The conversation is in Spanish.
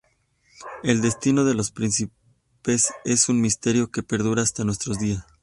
El destino de los príncipes es un misterio que perdura hasta nuestros días.